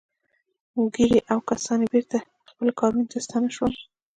ګیري او کسان یې بېرته خپلو کارونو ته ستانه شول